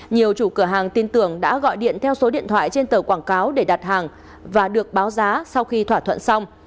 nhiều chủ cửa hàng tin tưởng đã gọi điện theo số điện thoại trên tờ quảng cáo để đặt hàng và được báo giá sau khi thỏa thuận xong